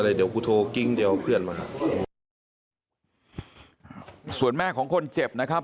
เดี๋ยวกูโทรกิ้งเดี๋ยวเพื่อนมารับส่วนแม่ของคนเจ็บนะครับ